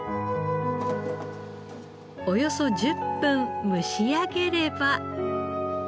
およそ１０分蒸し上げれば。